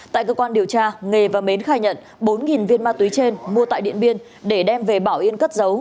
tại cơ quan điều tra nghề và mến khai nhận bốn viên ma túy trên mua tại điện biên để đem về bảo yên cất giấu